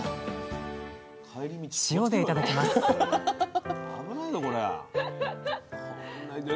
塩でいただきます